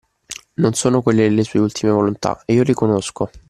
Non sono quelle le sue ultime volontà, e io le conosco.